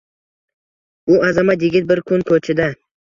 Bu azamat yigit bir kun ko'chada